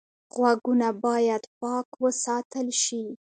غوږونه باید پاک وساتل شي